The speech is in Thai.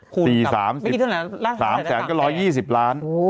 คูณกับไม่คิดว่าไหนล่ะล่าถ่ายได้ต่างแต่๓แสนก็๑๒๐ล้าน